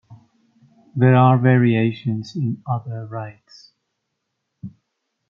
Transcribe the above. There are variations in other rites.